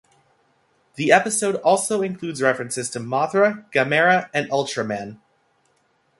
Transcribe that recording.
The episode also includes references to Mothra, Gamera, and Ultraman.